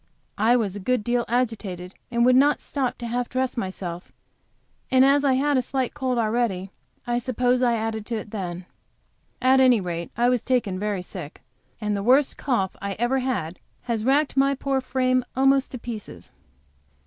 He was a good deal agitated, and would not stop to half dress myself, and as I had a slight cold already, I suppose I added to it then. At any rate I was taken very sick, and the worst cough ever had has racked my poor frame almost to pieces.